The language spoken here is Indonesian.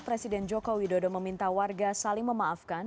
presiden joko widodo meminta warga saling memaafkan